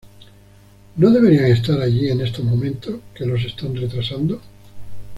¿ No deberían estar allí en estos momentos? ¿ qué los está retrasando?